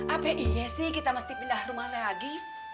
apa iya sih kita mesti pindah rumah lagi